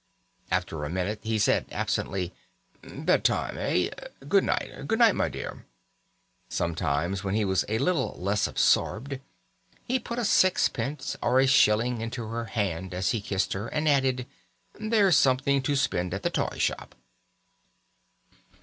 After a minute he said absently: "Bed time, eh? Good night. Good night, my dear." Sometimes when he was a little less absorbed he put a sixpence or a shilling into her hand as he kissed her, and added: "There's something to spend at the toy shop."